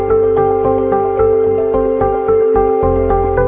จริงจริงจริงจริงพี่แจ๊คเฮ้ยสวยนะเนี่ยเป็นเล่นไป